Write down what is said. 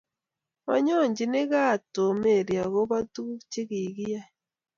Manyochini gaat Tom mary agoba tuguuk chegiyai